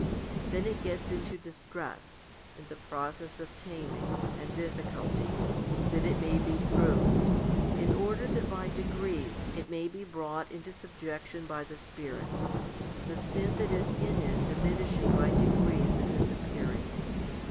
Then it gets into distress, and the process of taming, and difficulty, that it may be proved, in order that by degrees it may be brought into subjection by the Spirit, the sin that is in it diminishing by degrees and disappearing.